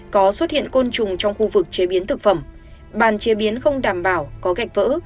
có xuất hiện côn trùng trong khu vực chế biến thực phẩm bàn chế biến không đảm bảo có gạch vỡ